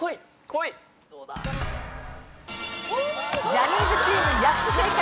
ジャニーズチーム８つ正解